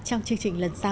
trong chương trình lần sau